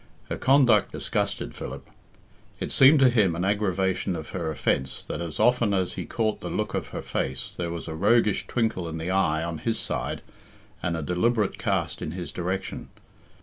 Her conduct disgusted Philip. It seemed to him an aggravation of her offence that as often as he caught the look of her face there was a roguish twinkle in the eye on his side, and a deliberate cast in his direction.